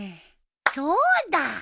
そうだ！